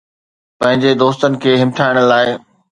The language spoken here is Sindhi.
پنهنجن دوستن کي همٿائڻ لاءِ